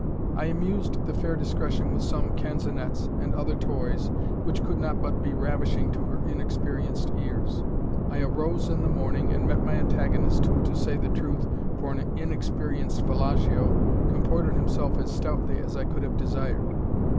I amused the fair Discretion with some canzonettes, and other toys, which could not but be ravishing to her inexperienced ears. I arose in the morning, and met my antagonist, who, to say truth, for an inexperienced villagio, comported himself as stoutly as I could have desired.